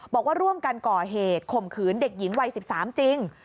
บอกว่าร่วมกันก่อเหตุข่มขืนเด็กหญิงวัย๑๓จริง